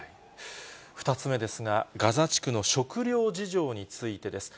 ２つ目ですが、ガザ地区の食料事情についてです。